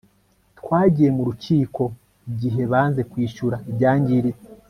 twagiye mu rukiko igihe banze kwishyura ibyangiritse